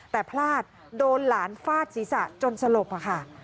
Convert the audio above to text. แต่พลาดโดนหลานฟาดศีรษะจนสลบค่ะ